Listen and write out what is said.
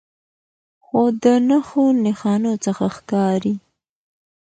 خو د نښو نښانو څخه ښکارې